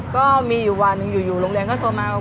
ก็มีอยู่วันหนึ่งอยู่โรงเรียนก็โทรมาว่า